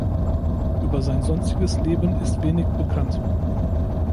Über sein sonstiges Leben ist wenig bekannt.